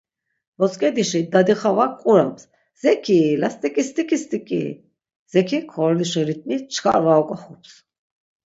Votzk̆edişi Dadi Xavak quraps “Zekiii lastiƙi stiƙi stiƙi”, Zekik xoronişi ritmi çkar var ok̆oxups…